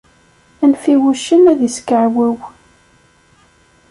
Anef i wuccen ad iskaɛwew.